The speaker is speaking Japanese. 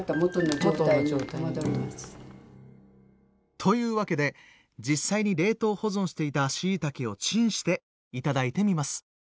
というわけで実際に冷凍保存していたしいたけをチンして頂いてみます。